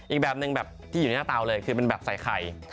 อีกแบบหนึ่งแบบที่อยู่ในหน้าเตาเลยคือมันแบบใส่ไข่